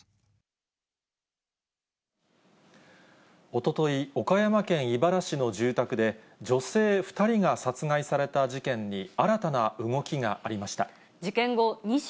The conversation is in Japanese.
おととい、岡山県井原市の住宅で、女性２人が殺害された事件に新たな動きがありました。